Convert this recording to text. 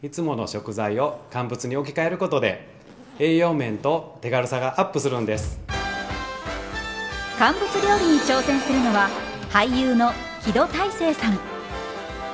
肉や魚など乾物料理に挑戦するのは俳優の木戸大聖さん。